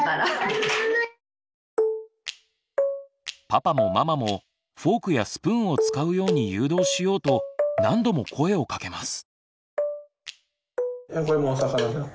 パパもママもフォークやスプーンを使うように誘導しようと何度も声をかけます。